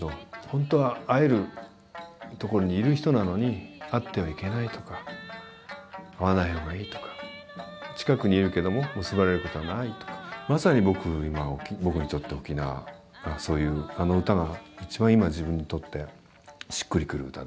ほんとは会えるところにいる人なのに会ってはいけないとか会わない方がいいとか近くにいるけども結ばれることはないとかまさに今僕にとって沖縄がそういうあの歌が一番今自分にとってしっくりくる歌で。